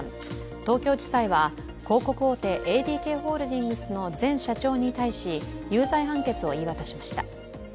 東京地裁は、広告大手ＡＤＫホールディングスの前社長に対し有罪判決を言い渡しました。